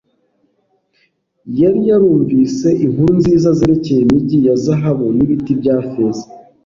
Yari yarumvise inkuru nziza zerekeye imigi ya zahabu n'ibiti bya feza.